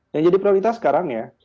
yang jadi prioritas sekarang ya